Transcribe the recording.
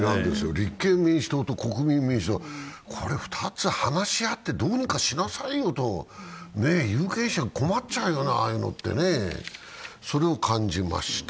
立憲民主党と国民民主は、これ、２つが話し合ってどうにかしなさいよと、有権者困っちゃうよな、ああいうのって、それを感じました。